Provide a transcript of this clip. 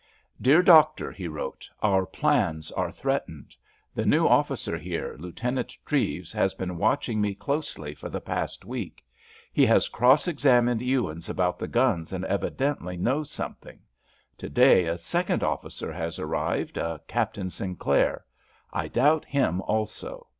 "Dear Doctor," he wrote, "_our plans are threatened. The new officer here, Lieutenant Treves, has been watching me closely for the past week. He has cross examined Ewins about the guns, and evidently knows something. To day a second officer has arrived, a Captain Sinclair. I doubt him also.